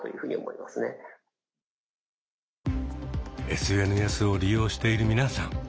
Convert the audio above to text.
ＳＮＳを利用している皆さん